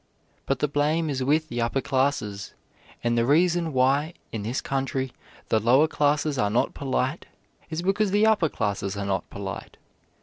But the blame is with the upper classes; and the reason why, in this country, the lower classes are not polite is because the upper classes are not polite.